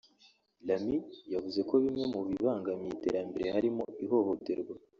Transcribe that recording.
Lamin yavuze ko bimwe mu bibangamiye iterambere harimo ihohoterwa